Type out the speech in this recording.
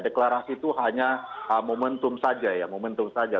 deklarasi itu hanya momentum saja ya momentum saja